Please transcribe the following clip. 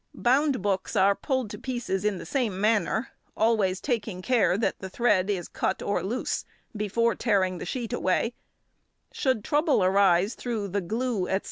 Bound books are pulled to pieces in the same manner, always taking care that the thread is cut or loose before tearing the sheet away; should trouble arise through the glue, etc.